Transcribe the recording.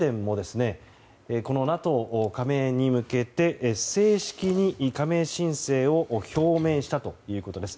スウェーデンもこのＮＡＴＯ加盟に向けて正式に加盟申請を表明したということです。